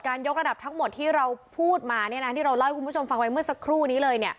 ยกระดับทั้งหมดที่เราพูดมาที่เราเล่าให้คุณผู้ชมฟังไว้เมื่อสักครู่นี้เลย